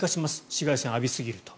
紫外線を浴びすぎると。